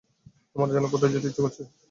আমার যেন কোথায় যেতে ইচ্ছে করছে।